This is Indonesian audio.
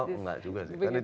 oh enggak juga sih